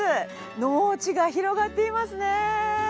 農地が広がっていますね。